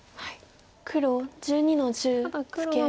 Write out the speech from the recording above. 黒１２の十ツケ。